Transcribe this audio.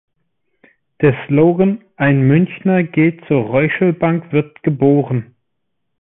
Der Slogan „Ein Münchner geht zur Reuschel-Bank“ wird geboren.